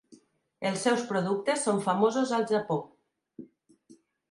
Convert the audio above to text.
Els seus productes són famosos al Japó.